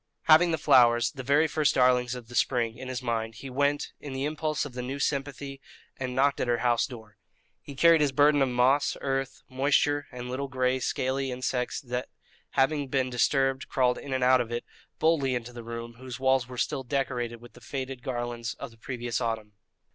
Having the flowers, the very first darlings of the spring, in his hand, he went, in the impulse of the new sympathy, and knocked at her house door. He carried his burden of moss, earth, moisture, and little gray scaly insects that, having been disturbed, crawled in and out of it, boldly into the room, whose walls were still decorated with the faded garlands of the previous autumn.